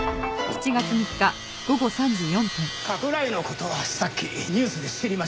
加倉井の事はさっきニュースで知りました。